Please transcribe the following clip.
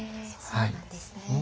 そうなんですね。